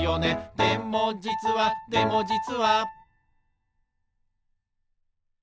「でもじつはでもじつは」